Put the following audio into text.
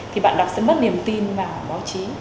thì bạn đọc sẽ mất niềm tin vào báo chí